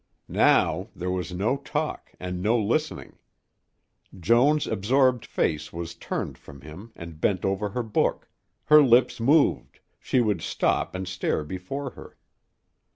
Now, there was no talk and no listening. Joan's absorbed face was turned from him and bent over her book, her lips moved, she would stop and stare before her.